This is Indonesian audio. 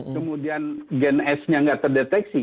kemudian gen s nya nggak terdeteksi